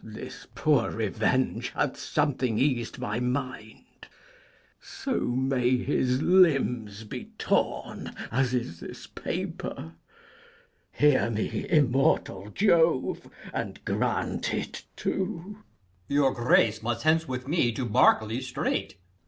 _ This poor revenge hath something eas'd my mind: So may his limbs be torn as is this paper! Hear me, immortal Jove, and grant it too! Berk. Your grace must hence with me to Berkeley straight.